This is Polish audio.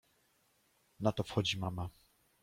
Na to wchodzi mama.